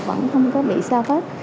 vẫn không có bị sao hết